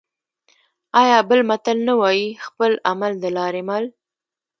آیا بل متل نه وايي: خپل عمل د لارې مل؟